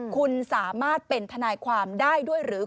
คุณสามารถเป็นทนายความได้ด้วยหรือ